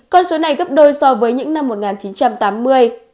con số này gấp đôi so với những năm một nghìn chín trăm tám mươi